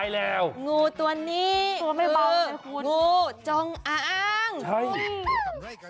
โอ้ยคุณค่ะงูตัวนี้คืองูจองอ้างคุณค่ะตายแล้วตัวไม่เบานะคุณ